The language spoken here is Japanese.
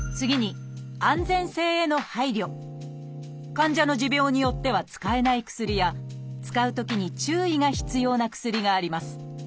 患者の持病によっては使えない薬や使うときに注意が必要な薬があります。